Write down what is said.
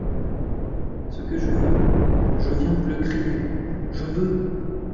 Ce que je veux, je viens-vous le crier : Je veux